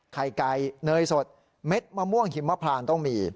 ไข่ไก่เนยสดเม็ดมะม่วงหิมพรานต้องมี